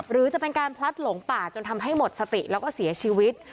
หรือจะเป็นการพลัดหลงป่าจนทำให้หมดสติแล้วก็เสียชีวิต